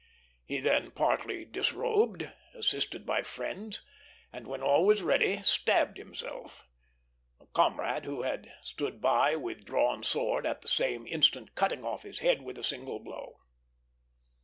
He then partly disrobed, assisted by friends, and when all was ready stabbed himself; a comrade who had stood by with drawn sword at the same instant cutting off his head with a single blow.